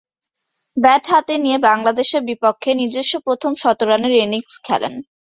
Bat হাতে নিয়ে বাংলাদেশের বিপক্ষে নিজস্ব প্রথম শতরানের ইনিংস খেলেন।